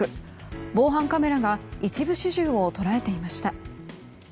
防犯カメラが一部始終を捉えていました。